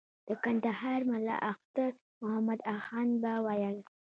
د کندهار ملا اختر محمد اخند به ویل.